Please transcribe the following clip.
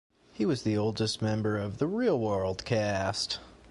He was the oldest member of "The Real World" cast.